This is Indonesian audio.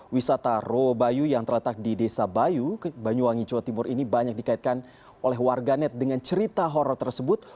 wisata roh bayu yang terletak di desa bayu banyuwangi jawa timur ini banyak dikaitkan oleh warganet dengan cerita horror tersebut